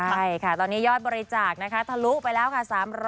ใช่ค่ะตอนนี้ยอดบริจาคนะคะทะลุไปแล้วค่ะ